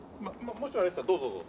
もしあれだったらどうぞどうぞ。